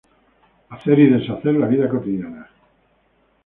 Hacer y deshacer la vida cotidiana.